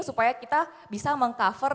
supaya kita bisa mengcover